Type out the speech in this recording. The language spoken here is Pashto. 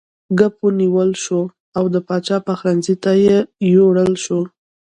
کب ونیول شو او د پاچا پخلنځي ته یووړل شو.